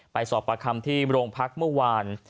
สอบประคำที่โรงพักเมื่อวาน